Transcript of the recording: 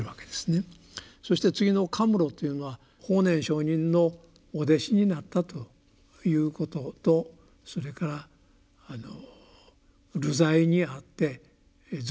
そして次の「禿」というのは法然上人のお弟子になったということとそれから流罪にあって俗人にされてしまうわけですね。